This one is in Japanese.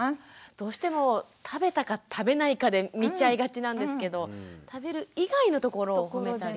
どうしても食べたか食べないかで見ちゃいがちなんですけど食べる以外のところをほめたり。